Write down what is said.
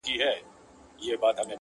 کډه ستا له کلي بارومه نور ,